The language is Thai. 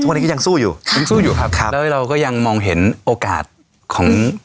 วันนี้ก็ยังสู้อยู่ยังสู้อยู่ครับครับแล้วเราก็ยังมองเห็นโอกาสของ